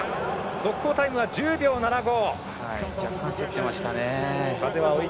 速報タイムは１０秒７５。